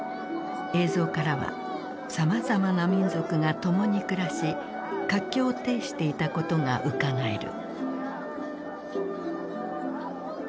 映像からはさまざまな民族が共に暮らし活況を呈していたことがうかがえる。